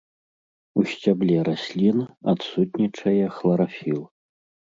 У сцябле раслін адсутнічае хларафіл.